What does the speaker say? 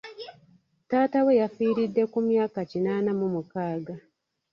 Taata we yafiiridde ku myaka kinaana mu mukaaga.